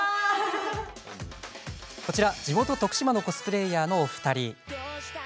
こちらは地元徳島のコスプレイヤーのお二人。